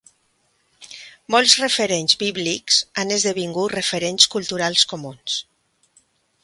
Molts referents bíblics han esdevingut referents culturals comuns.